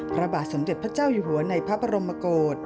พระบาทสมเด็จพระเจ้าอยู่หัวในพระบรมโกศ